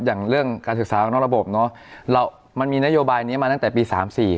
อย่างเรื่องการศึกษานอกระบบเนอะเรามันมีนโยบายนี้มาตั้งแต่ปี๓๔